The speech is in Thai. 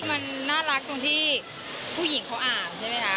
มันน่ารักตรงที่ผู้หญิงเขาอ่านใช่ไหมคะ